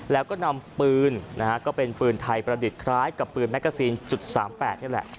แล้วก็นำปืนนะฮะก็เป็นปืนไทยประดิษฐ์คล้ายกับปืนแกซีนจุด๓๘นี่แหละ